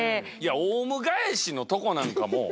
オウム返しのとこなんかもう。